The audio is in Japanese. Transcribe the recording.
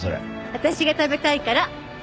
私が食べたいから。